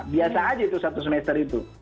biasa aja itu satu semester itu